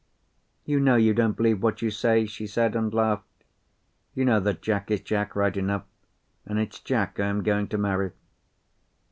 "You know you don't believe what you say," she said, and laughed. "You know that Jack is Jack, right enough; and it's Jack I am going to marry."